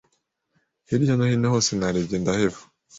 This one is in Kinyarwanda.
hirya no hino hose narebye ndaheba